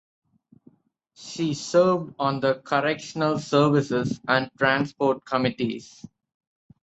She served on the correctional services and transport committees.